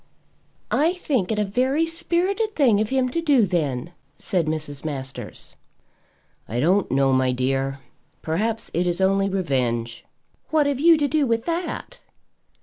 "I think it a very spirited thing of him to do, then," said Mrs. Masters. "I don't know, my dear. Perhaps it is only revenge." "What have you to do with that?